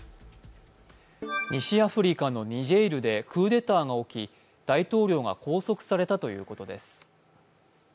西アフリカのニジェールでクーデターが起き大統領が拘束されたということです。